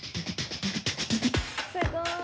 すごい。